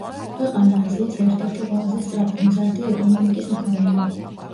ქვეყანა აზიის ერთ-ერთი ყველაზე სწრაფად მზარდი ეკონომიკის მქონეა.